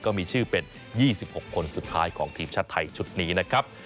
ก็มีชื่อเป็น๒๖คนสุดท้ายของทีมชาติไทยชุดนี้นะครับ